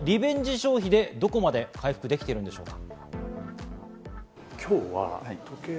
消費でどこまで回復できているんでしょうか。